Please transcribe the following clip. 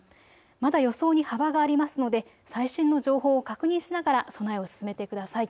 まだ予想に幅がありますので最新の情報を確認しながら備えを進めてください。